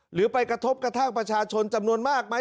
หรือไปกระทบกระทั่งประชาชนจำนวนมากไหม